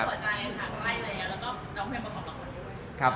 คุณคิดอย่างไงครับ